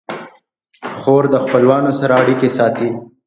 خور د خپلوانو سره اړیکې ساتي.